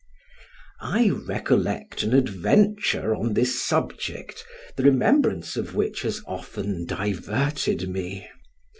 I recollect an adventure on this subject, the remembrance of which has often diverted me.